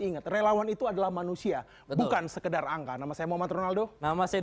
ingat relawan itu adalah manusia bukan sekedar angka nama saya muhammad ronaldo nama saya